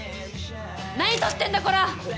何撮ってんだ、こら！